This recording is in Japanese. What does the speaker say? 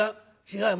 違う。